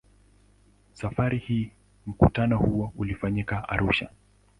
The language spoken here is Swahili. Safari hii mkutano huo ulifanyika Arusha.